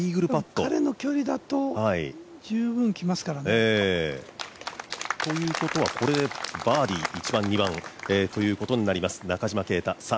彼の距離だと十分、来ますからね。ということはこれでバーディー１番、２番ということになります、中島啓太。